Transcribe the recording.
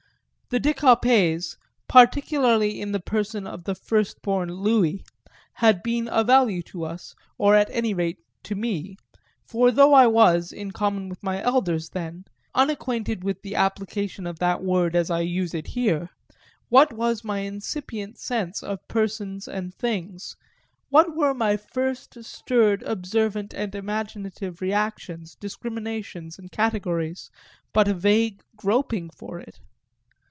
The De Coppets, particularly in the person of the first born Louis, had been a value to us, or at any rate to me for though I was, in common with my elders then, unacquainted with the application of that word as I use it here, what was my incipient sense of persons and things, what were my first stirred observant and imaginative reactions, discriminations and categories, but a vague groping for it?